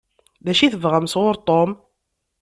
D acu i tebɣam sɣur Tom?